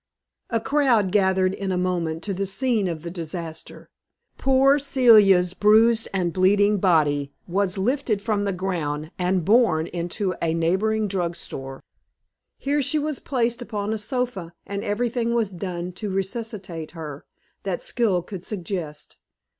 A crowd gathered in a moment to the scene of the disaster. Poor Celia's bruised and bleeding body was lifted from the ground and borne into a neighboring drug store. Here she was placed upon a sofa, and everything was done to resuscitate her that skill could suggest.